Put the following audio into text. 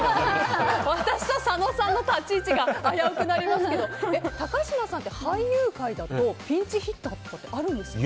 私と佐野さんの立ち位置が危うくなりますけど高嶋さんって俳優界だとピンチヒッターとかってあるんですか？